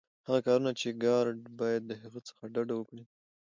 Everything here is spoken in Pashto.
هغه کارونه چي ګارډ باید د هغوی څخه ډډه وکړي.